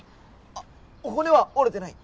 あっ骨は折れてない？